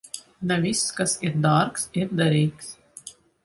Ne viss, kas ir dārgs, ir derīgs.